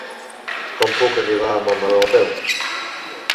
Com puc arribar a Montmeló a peu?